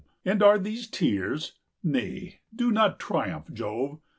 50 And are these tears? Nay, do not triumph, Jove!